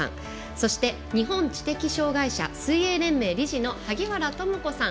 そして日本知的障害者水泳連盟理事の萩原智子さん。